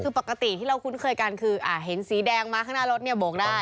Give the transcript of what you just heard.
คือปกติที่เราคุ้นเคยกันคือเห็นสีแดงมาข้างหน้ารถเนี่ยโบกได้